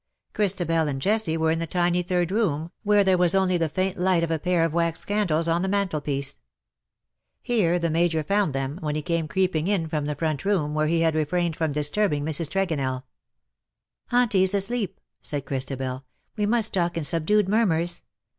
Christabel and Jessie were in the tiny third room, where there was only the faint light of a pair of wax candles on the mantelpiece. Here the Major found them, when he came creeping in from the front room, where he had refrained fromdisturbingMrs. Tregonell. ^^ Auntie is asleep/^ said Christabel. ^' We must talk in subdued murmurs.